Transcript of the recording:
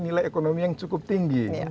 nilai ekonomi yang cukup tinggi